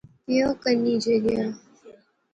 پیو کنبی جے گیا